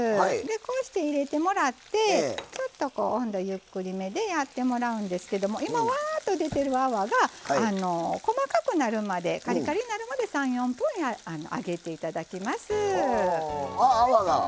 こうして入れてもらってちょっと温度、ゆっくりめでやってもらうんですけどわーっと出てる泡が、細かくなるまでカリカリになるまで３４分揚げていただきます。